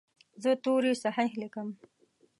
زه توري صحیح لیکم.